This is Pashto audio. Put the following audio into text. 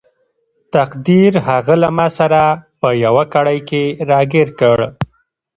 تقدیر هغه له ماسره په یوه کړۍ کې راګیر کړ.